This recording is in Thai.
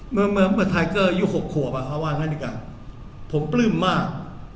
เมื่อเมื่อเมื่อไทเกอร์ยูหกขัวมาเขาว่าอย่างนั้นดีกันผมปลื้มมาก